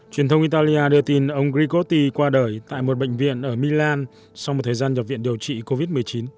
truyền thông italia đưa tin ông grigotti qua đời tại một bệnh viện ở milan sau một thời gian nhập viện điều trị covid một mươi chín